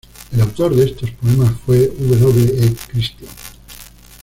El autor de estos poemas fue W. E. Christian.